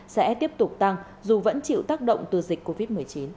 sep hai nghìn hai mươi sẽ tiếp tục tăng dù vẫn chịu tác động từ dịch covid một mươi chín